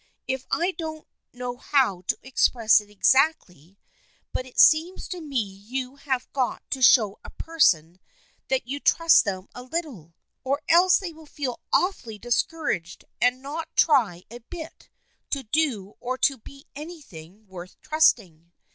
I don't know how to express it exactly, but it seems to me you have got to show a person that you trust them a little, or else they will feel awfully discouraged and not try a bit to do or to be anything worth trusting.